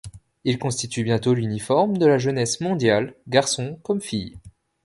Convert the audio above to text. Il constitue bientôt l'uniforme de la jeunesse mondiale, garçons comme filles.